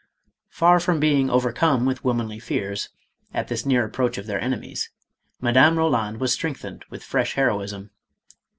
Far from being overcome with womanly fears, at this near approach of their enemies, Madame Roland was strengthened with fresh heroism.